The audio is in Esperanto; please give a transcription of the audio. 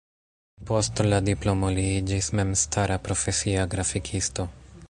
Post la diplomo li iĝis memstara, profesia grafikisto.